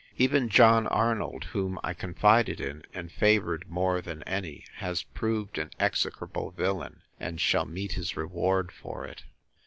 Even John Arnold, whom I confided in, and favoured more than any, has proved an execrable villain; and shall meet his reward for it.